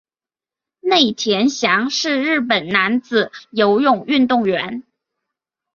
内田翔是日本男子游泳运动员。